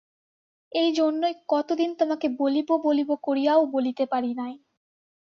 এইজন্যই কতদিন তোমাকে বলিব-বলিব করিয়াও বলিতে পারি নাই।